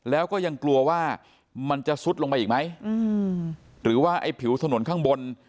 แล้วก็ยังกลัวว่ามันจะซุดลงไปอีกไหมหรือว่าไอ้ผิวถนนข้างบน